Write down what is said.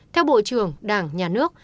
theo bộ trưởng đảng nhà nước